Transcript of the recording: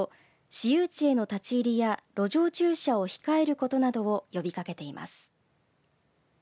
私有地への立ち入りや路上駐車を控えることなどを呼びかけています。